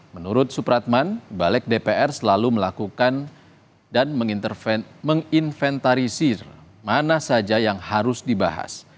menurut supratman balik dpr selalu melakukan dan menginventarisir mana saja yang harus dibahas